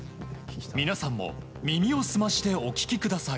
皆さんも耳を澄ませてお聞きください。